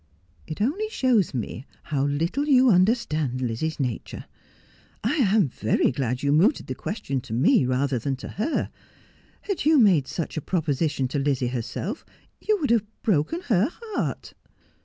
' It only shows me how little you understand Lizzie's nature. I am very glad you mooted the question to me, rather than to her. Had you made such a proposition to Lizzie herself you would have broken her heart.'